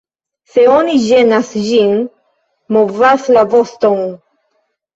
Se oni ĝenas ĝin, movas la voston.